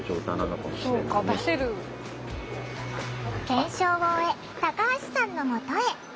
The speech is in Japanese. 検証を終えタカハシさんのもとへ。